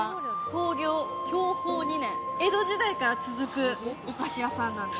創業享保弐年、江戸時代から続くお菓子屋さんなんです。